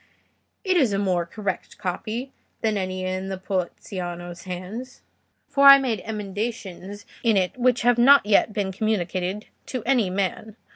It is a more correct copy than any in Poliziano's hands, for I made emendations in it which have not yet been communicated to any man.